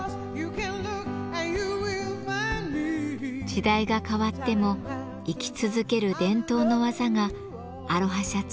時代が変わっても生き続ける伝統の技がアロハシャツに詰まっています。